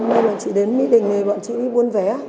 hôm nay là chị đến mỹ đình này bọn chị đi buôn vé